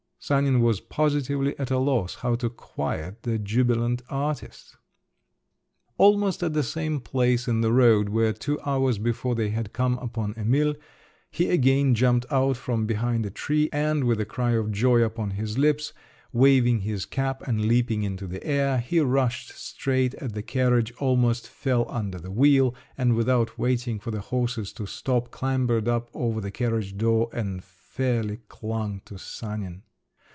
Sanin was positively at a loss how to quiet the jubilant artist. Almost at the same place in the road where two hours before they had come upon Emil, he again jumped out from behind a tree, and, with a cry of joy upon his lips, waving his cap and leaping into the air, he rushed straight at the carriage, almost fell under the wheel, and, without waiting for the horses to stop, clambered up over the carriage door and fairly clung to Sanin.